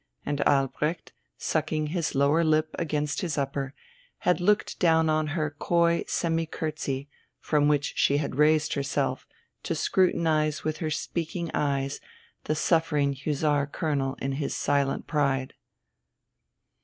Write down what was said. And Albrecht, sucking his lower lip against his upper, had looked down on her coy semi curtsey, from which she had raised herself to scrutinize with her speaking eyes the suffering Hussar Colonel in his silent pride.